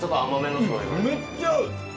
めっちゃ合う。